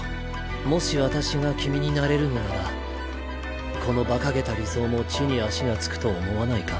もし私が君になれるのならこのバカげた理想も地に足が着くと思わないか？